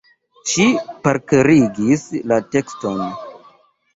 Ŝi parkerigis la tekston.